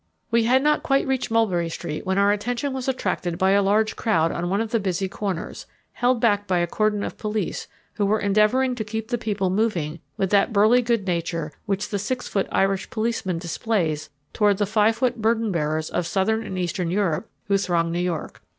We had not quite reached Mulberry Street when our attention was attracted by a large crowd on one of the busy corners, held back by a cordon of police who were endeavouring to keep the people moving with that burly good nature which the six foot Irish policeman displays toward the five foot burden bearers of southern and eastern Europe who throng New York.